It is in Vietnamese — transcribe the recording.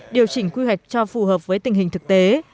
điều chỉnh quy hoạch cho phù hợp với tình hình thực tế